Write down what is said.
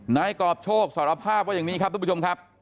นายกรอบโชคสารภาพว่าอย่างนี้ครับทุกผู้ชมครับ